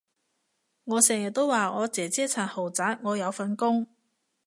我成日都話我姐姐層豪宅我有份供